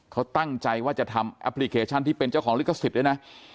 เขาตั้งใจว่าจะทำแอปพลิเคชันที่เป็นเจ้าของลิขสิทธิ์ด้วยนะ